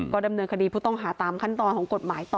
ก็ดำเนินคดีผู้ต้องหาตามขั้นตอนของกฎหมายต่อ